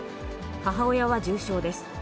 母親は重傷です。